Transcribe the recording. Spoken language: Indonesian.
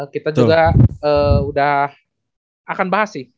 kita juga udah akan bahas sih